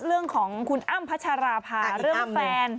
เรื่องของคุณอ้ำพัชราภาเรื่องแฟน